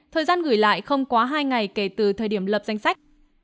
thời gian gửi lại không quá hai ngày kể từ thời điểm lập danh sách